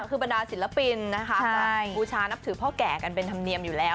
คือบรรดาศิลปินนะคะก็บูชานับถือพ่อแก่กันเป็นธรรมเนียมอยู่แล้ว